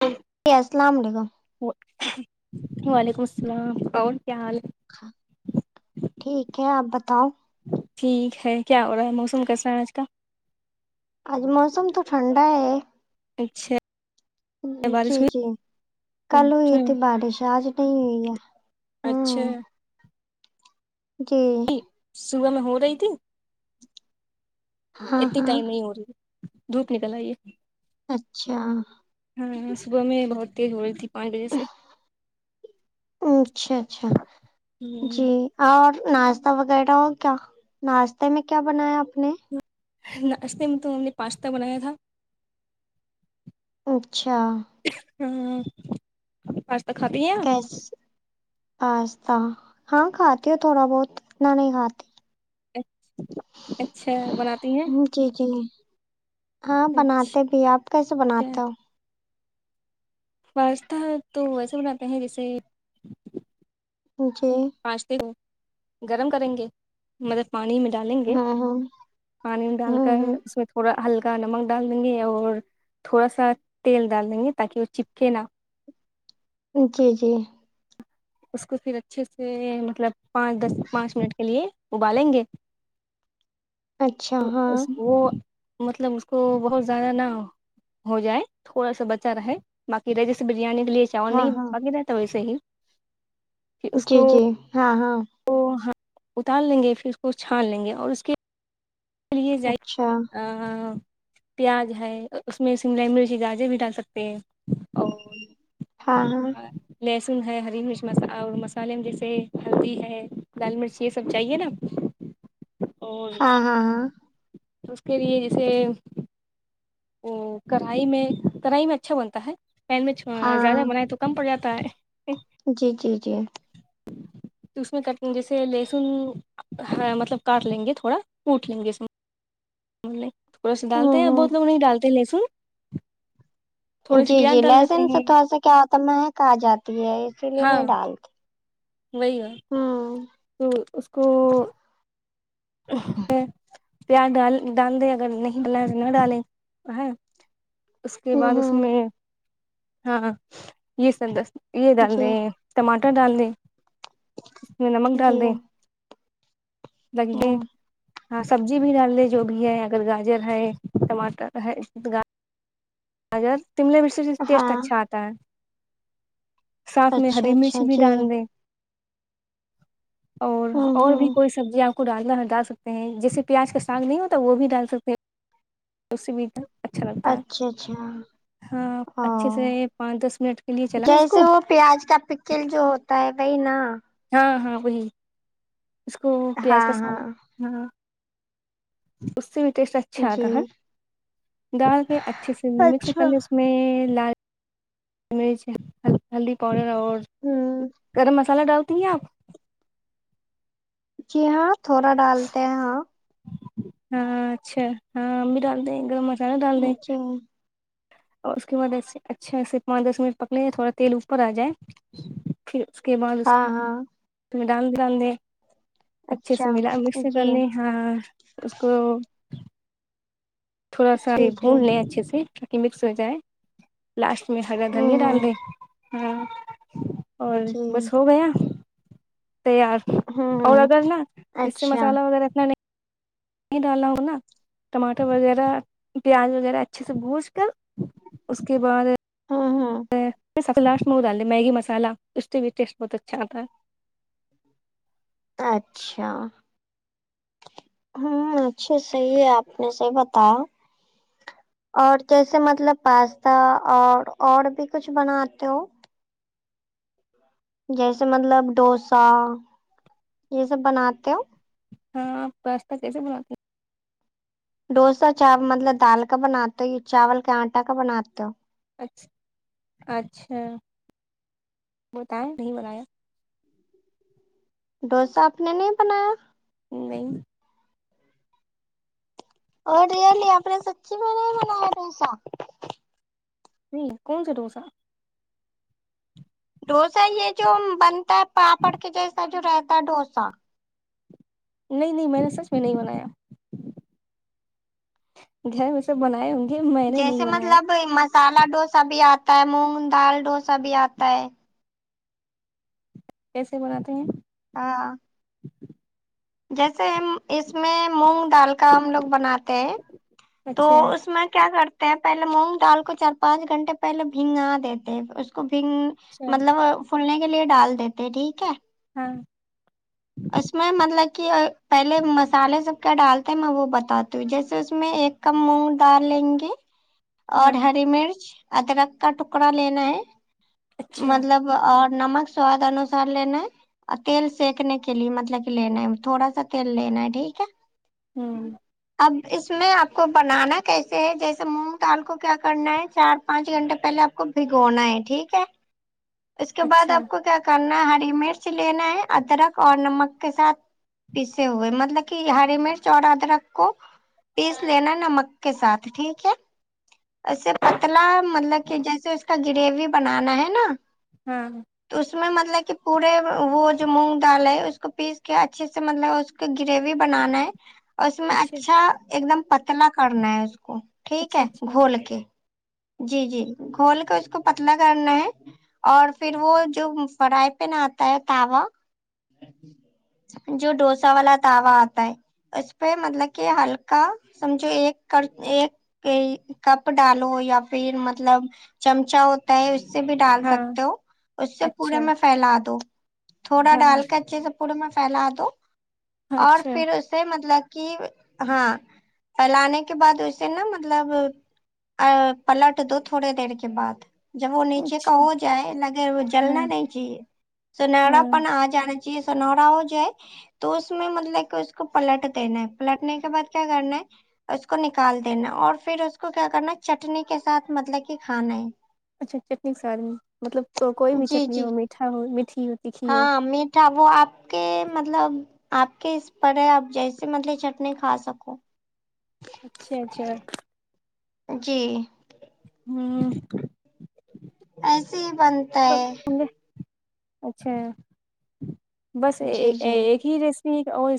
جی جی السلام علیکم وعلیکم السلام اور کیا حال ہے ٹھیک ہے آپ بتاؤ ٹھیک ہے کیا ہو رہا ہے موسم کیسا ہے آج کا اج موسم تو ٹھنڈا ہے اچھا جی بارش جی کل ہوئی تھی بارش آج نہیں ہوئی ہے اچھا ہوں جی صبح میں ہو رہی تھی ہاں اتنی ہاں ٹائم نہیں ہو رہی دھوپ نکل آیی ہے اچھا ہاں صبح میں بہت تیز ہو رہی تھی پانچ بجے سے اچھا اچھا ہوں، جی اور ناشتہ وغیرہ کیا ناشتے میں کیا بنایا آپ نے ناشتے میں تو ہم نے پاستا بنایا تھا اچھا [unintelligible] آپ پاستا ہاں کھاتی ہو تھوڑا بہت اتنا نہیں کھاتی اچ اچھا بناتی ہیں جی جی ہاں اچھا بناتے بھی آپ کیسے بناتے ہو پاستا تو ویسے بناتے ہیں جیسے جی پا ستے ہو گرم کریں گے مطلب پانی میں ڈالیں گے ہاں ہاں پانی ڈال ہوں کر ہوں اس میں تھ تھڑا ہلکا نمک ڈال دیں گے اور تھوڑا سا تیل ڈال دیں گے تاکہ وہ چپکے نا جی جی اس کو پھر اچھے سے مطلب پانچ دس پانچ منٹ کے لیے ابالیں گے اچھا ہاں وہ مطلب اس کو بہت زیادہ نہ ہو جائے تھوڑا سا بچا رہے باقی رہے جیسے بریانی کے لیے کیا ہاں نہیں ہاں باق رہتا ویسے ہی پھر اس جی جی ہاں ہاں کو اتار لیں گے پھر اس کو چھان لیں گے اور اس کے کے لیے جائ اچھا پیاز ہے اس میں شملائی مرچ گاجر بھی ڈال سکتے ہیں اور ہاں ہاں لہسن ہے ہری مرچ مس اور مسالحے میں جیسے ہلدی ہے لال مرچ یہ سب چاہیے نا اور ہاں ہاں ہاں اس کے لیے جیسے ہ کڑھائی میں کڑھائی میں اچھا بنتا ہے پین مچ زیادہ ہاں بنائے تو کم پڑ جاتا ہے جی جی جی تو اس میں کٹ جیسے لسن مطلب کاٹ لیں گے تھوڑا کوٹ لیں گے اس تھوڑا سا ڈالتے ہوں ہیں ہوں بہت لوگ نہیں ڈالتے لہسن تھوڑی سی جی جی پیاز ڈال دیتے لہسن سے ہیں تھوڑا سا کیا ہوتا ہے مہک آ جاتی ہے اسی لیے ہاں نہیں ڈالتی وہی ہے ہوں تو اس کو پیاز ڈال ڈال دیں اگر نہیں بنھا تو نہ ڈالیں اس کے ہوں بعد اس ہوں میں ہاں یہ سب یہ ڈال جی دیں ٹماٹر ڈال دیں اس میں نمک ڈال جی دیں ہلدی ہوں ہاں سبزی بھی ڈال لے جو بھی ہے اگر گاجر ہے ٹماٹر ہے اگر شملہ مرچ سے ٹیسٹ ہاں اچھا آتا ہے ساتھ میں اچھا ہری اچھا مرچ بھی جی ڈال دیں ہوں اور بھی ہوں کوئی سبزی آپ کو ڈالنا ڈال سکتے ہیں جیسے پیاز کا ساگ نہیں ہوتا وہ بھی ڈال سکتے ہیں اسی میں تھی اچھا لگتا اچھا اچھا ہے ہاں او اچھے سے پانچ دس منٹ کے لیے چلایں اس جیسے کو وہ پیاز کا پکل جو ہوتا ہے وہی نا ہاں ہاں وہی اس کو پیاز کا ہاں سال ہاں ہاں اس سے بھی ٹیسٹ اچھا جی آتا ہے ڈال کے اچھے سے مکس اچھا کرلے اس اس میں لال مرچ ہلدی پاؤڈر اور ہوں گرم مسال سالہ ڈالتی ہیں آپ جی ہاں تھوڑا ڈالتے ہیں ہاں ہاں اچھا ہاں ہم بھی ڈال دے گرم مسالہ ڈال دے جی اور اس کے بعدسے اچھے پھر اس کے بعد اس ہاں ہاں پہ دال بھی ڈالدے اچھے اچھا سے ملا مکس جی سے کرلے ہاں اس کو تھوڑا سا جی یہ جی بھون لیں اچھے سے تہ مکس ہو جائے لاسٹ اس میں ہرا دھنیا ہوں ڈال ہوں دیں ہاں اور جی بس ہو گیا تیار ہوں اور ہوں اگر نا اس سے اچھا مسالہ وغیرہ اتنا نہیں ڈالا ہو نا ٹماٹر وغیرہ پیاز وغیرہ اچھے سے بھج کر اس کے بعد امم امم سب سے لاسٹ میں وہ ڈال دے میگی مسالا اس کے سے بھی ٹیسٹ بہت اچھا آتا ہے اچھا امم اچھا صحیع ہے آپ نے صحیع بتایا اور جیسے مطلب پاستا اور اور بھی کچھ بناتے ہو جیسے مطلب ڈوسا یہ سب بناتے ہو ہاں آپ پاستا کیسے بناتی ہیں ڈوسا چاپ مطلب دال کا بناتے ہو چاول کے آٹا کا بناتے ہو اچھا اچھا بتائیں نہیں بنایا ڈوسا آپ نے نہیں بنایا نہیں اور ریئلی اپے سچی میں نہیں بنایاڈوسا نہیں کون سے ڈوسا ڈوسا یہ جو بنتا ہے پاپڑ کے جیسا جو رہتا ہے ڈوسا نہیں نہیں میں نے سچ میں نہیں بنایا گھر میں سب بناںے جیسے مطلب مسالہ ڈوسا بھی آتا ہے مونگ دال ڈوسا بھی آتا ہے کیسے بناتے ہیں ہاں جیسے اس میں مونگ دال کا ہم لوگ بناتے ہیں تو اچھا اس میں کیا کرتے پہلے مونگ دال کو چار پانچ گھنٹے پہلے بھینگا دیتے اس کو بھینگ اچھا مطلب پھولنے کے لیے ڈال دیتے ٹھیک ہے ہاں اس میں مطلب کہ پہلے مسالے سب کے ڈالتے میں وہ بتاتی ہوں جیسے اس میں ایک کم مونگ ڈال لیں گے ہاں اچھا مطلب اور نمک سواد انوسار لینا ہے اور تیل سینکنے کے لیے مطلب کیلئے نہیں تھوڑا سا تیل لینا ہے ٹھیک ہے ہوں اب اس میں آپ کو بنانا کیسے ہے جیسے مونگ دال کو کیا کرنا ہے چار پانچ گھنٹے پہلے آپ کو بھگونا ہے ٹھیک ہے اس کے بعد اچھا آپ کو کیا کرنا ہری مرچ لینا ہے ادرک اور نمک کے ساتھ پسے ہوئے مطلب کہ ہری مرچ اور ادرک کو پیس لینا نمک کے ساتھ ٹھیک ہے ایسے پتلا مطلب کہ جیسے اس کا گریوی بنانا ہے نہ ہاں تو اس میں مطلب کہ پورے وہ جو مونگ دال ہے اس کو پیس کے اچھے سے مطلب اس کو گریوی بنانا ہے اور اس میں اچھا ایک دم پتلا کرنا ہے اس کو ٹھیک اچھا ہے اچھا گھول کے جی جی گھول کے اس کو پتلا کرنا ہے اور پھر وہ جو فرائی پین آتا ہے تا وا جو ڈوسا والا تاوا آتا ہے اس پہ مطلب کہ ہلکا سمجھو ایک کر ایک کیئی کپ ڈالو یا پھر مطلب چمچا ہوتا ہے اس سے بھی ڈال ہاں سکتے ہو اس سے پورے اچھا میں فیلا دو تھوڑا ہاں ڈال کے اچھے سے پورے میں فیلا دو اور اچھا پھر اس سے مطلب کہ ہاں فیلانے کے بعد اسے نا مطلب ا پلٹ دو تھوڑے دیڈ کے بعد جب وہ نیچے کا اچھا ہو جائے لگے وہ ہاں جلنا نہیں چاہیے سنہڑا ہاں پن آ جانا جی سنہڑا ہو جائے تو اس میں مطلب کہ اس کو پلٹ دینا ہے پلٹنے کے بعد کیا کرنا ہے اس کو نکال دینا اور پھر اس کو کیا کرنا چٹنی کے ساتھ مطلب کہ کھانا ہے اچھا چٹنی کے ساتھ میں مطلب کوئی بھی جی چٹنی جی ہو میٹھا ہو میٹھی ہو تیکھی ہو ا وہ آپ کے مطلب آپ کے اس پڑ ہے آپ جیسے مطلب چٹنی کھا سکو اچھا اچھا جی ہمم ایسے ہی بنتا ہے اچھا بس جی جی ایک ہی ریسیپی اور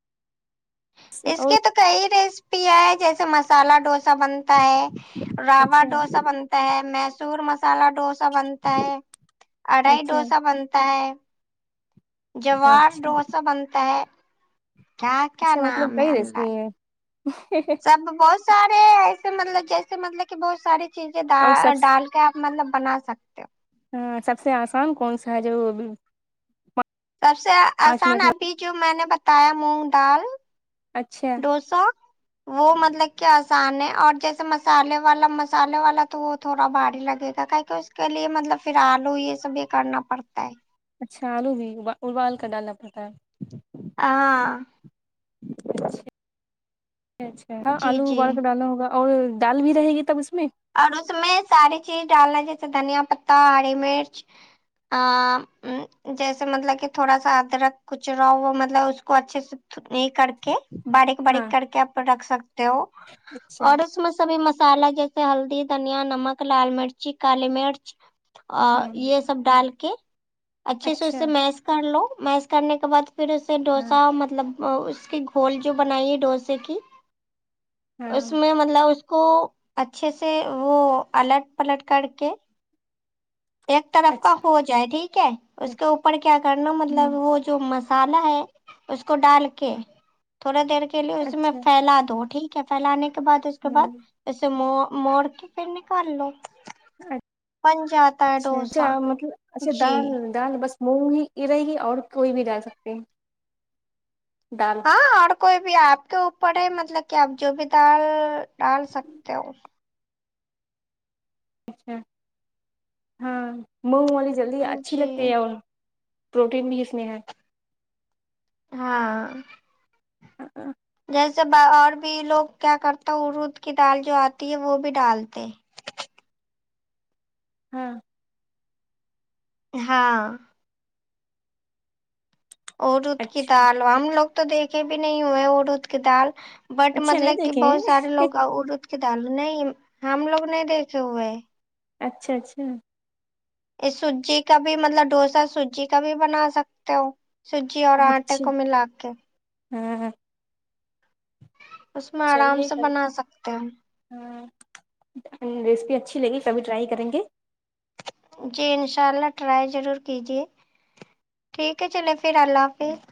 اس اور کے تو کئی ریسیپیاں ہیں جیسے مسالہ ڈوسا بن تا ہے راوا اچھا ڈوسا بنتا ہے میسور مسالہ ڈوسا ا بنتا ہے اڑائی اچھا ڈوسا بنتا ہے جوار اچھا ڈوسا بنتا ہے کیا کیا اچھا نام مطلب ہے کئی اللہ ریسیپی ہیں ب بہت سارے ایسے مطلب جیسے مطلب کہ بہت ساری چیزیں اور سب ڈال ڈال کیا آپ مطلب بنا سکتے ہو ہاں سب سے آسان کون سا ہے جو سب سے پانچ آسان منٹ میں ابھی جو میں نے بتایا مونگ دال اچھا ڈوسا وہ مطلب کہ آسان ہے اور جیسے مسالے والا مسالے والا تو وہ تھوڑا بھاڑی لگے گا کیکو ایسے اس کے لیے مطلب پھر آلو یہ سب بھی کرنا پڑتا ہے اچھا آلو بھی ابا ابال کر ڈالنا پڑتا ہے اں اچھا اچھا ہ جی جی آلوابال کر ڈالنا ہوگا اور دال بھی رہے گی تب اس میں اور اس میں ساری چیز ڈالنا جیسے دھنیا پتتا ہڑی مرچ ا جیسے مطلب کہ تھوڑا سا ادرک کچ را ہوا مطلب اس کو اچھے سے نہیں کر کے باریک ہاں باریک کر کے آپ رکھ سکتے ہو اچھا اور اس میں سبھی مسالا ہلدی دھنیا نمک لال مرچی کالی مرچ اور ہوں یہ سب ڈال کے اچھے سے اچھا اسے میس کر لو میس کرنے کے بعد پھر اس اس سے ہاں ڈوسا مطلب اس کی گھول جو بنائی ہے ڈوسے کی اس ہاں میں مطلب اس کو اچھے سے وہ الٹ پلٹ کر کے ایک طرف کا اچھا ہو جائے ٹھیک ہے اس کے اوپر کیا کرنا مطلب ہ ہو جو مسالا ہے اس کو ڈال کے تھوڑا دیر کے لیے اس میں اچھا پھیلا دو ٹھیک ہے پھیلانے کے بعد اس کے بعد ہاں اسے موڑ کے پھر نکال لو بن جاتا ہے اچھا ڈوسا اچھا مطلب اچھا جی دال دال بس مونگ ہی ا رہے گی اور کوئی بھی ڈال سکتے ہیں دال ہاں اور کوئی بھی آپ کے اوپر ہے مطلب کہ آپ جو بھی دال ڈال سکتے ہو ہاں مونگ والی جلدی اچھی جی لگتی ہے پروٹین بھی اس میں ہے ہاں اں اں جیسے اور بھی لوگ کیا کرتے ارود کی دال جو آتی ہے وہ بھی ڈالتے ہاں ہاں ارود کی اچھا دال ہم لوگ تو دیکھے بھی نہیں ہوئے ارود کی دال بٹ اچھا نہیں مطلب کہ دیکھے ہیں۔ بہت سارے لوگ ارود کے دال نہیں ہم لوگ نہیں دیکھے ہوئے ہیں اچھا اچھا سوجی کا بھی مطلب ڈوسا سوجی کا بھی بنا سکتے ہو سوجی اور آٹے کو ملا کے ہمم اس میں آرام چلیے سے کبھی بنا سکتے ہیں ہاں ریسیپی اچھی لگی کبھی ٹرائی کریں گے جی انشاء اللہ ٹرائی ضرور کیجیے ٹھیک ہے چلے پھر اللہ حافظ